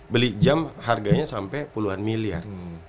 beli jam harganya sampai puluhan miliar